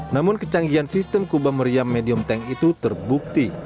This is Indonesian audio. namun kecanggihan sistem kuba meriam medium tank itu terbukti